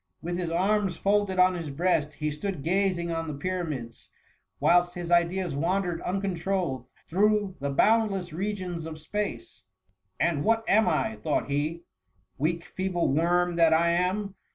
With his arms fold ed on his breast, he stood gazing on the Pyra mids, whilst his ideas wandered uncontrolled through the boundless regions of space :" And what am I," thought he, *^ weak, feeble worm that I am